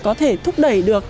có thể thúc đẩy được